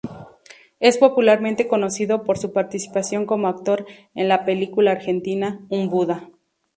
Es popularmente conocido por su participación como actor en la película argentina "Un Buda".